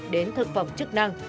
đến thực phẩm chức năng